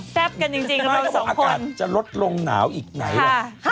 แซ่บกันจริงแล้วก็๒คนอากาศจะลดลงหนาวอีกไหนละ